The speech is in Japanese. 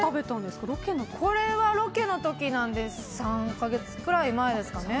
これはロケの時なので３か月くらい前ですかね。